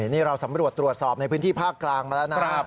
นี่เราสำรวจตรวจสอบในพื้นที่ภาคกลางมาแล้วนะครับ